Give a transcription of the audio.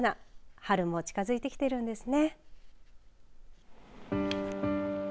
春も近づいてきているんですね。